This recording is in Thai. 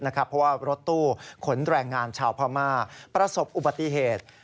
เพราะว่ารถตู้ขนแรงงานชาวพม่าประสบอุบัติเหตุ